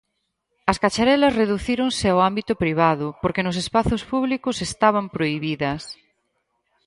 As cacharelas reducíronse ao ámbito privado porque nos espazos públicos estaban prohibidas.